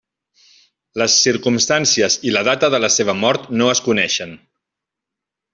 Les circumstàncies i la data de la seva mort no es coneixen.